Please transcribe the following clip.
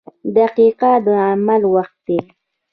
• دقیقه د عمل وخت دی.